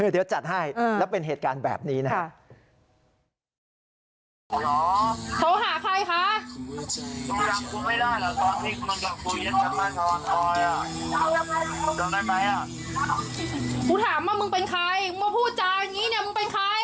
เดี๋ยวจัดให้แล้วเป็นเหตุการณ์แบบนี้นะครับ